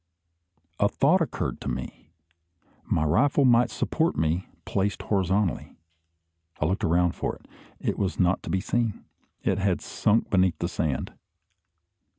A thought occurred to me. My rifle might support me, placed horizontally. I looked around for it. It was not to be seen. It had sunk beneath the sand.